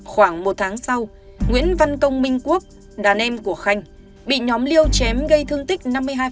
khoảng một tháng sau nguyễn văn công minh quốc đàn em của khanh bị nhóm liêu chém gây thương tích năm mươi hai